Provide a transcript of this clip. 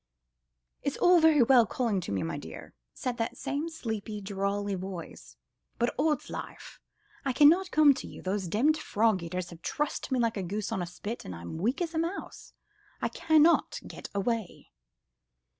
..." "It's all very well calling me, m'dear!" said the same sleepy, drawly voice, "but odd's my life, I cannot come to you: those demmed frog eaters have trussed me like a goose on a spit, and I am as weak as a mouse ... I cannot get away."